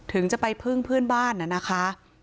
ถึงจะไปพึ่งเพื่อนบ้านน่ะนะคะ